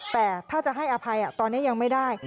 แต่ถ้าจะให้อภัยตอนนี้ยังไม่ได้